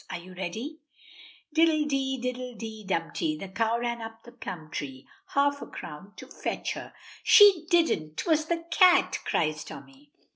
Are you ready? "'Diddle dee, diddle dee dumpty, The cow ran up the plum tree. Half a crown to fetch her '" "She didn't 'twas the cat," cries Tommy.